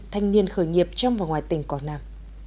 thanh niên khởi nghiệp trong và ngoài tỉnh quảng nam